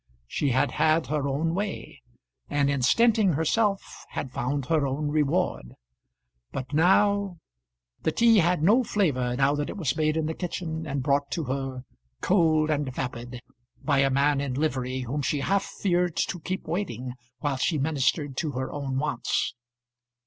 She had had her own way, and in stinting herself had found her own reward. But now the tea had no flavour now that it was made in the kitchen and brought to her, cold and vapid, by a man in livery whom she half feared to keep waiting while she ministered to her own wants.